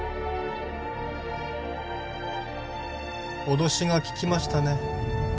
脅しが効きましたね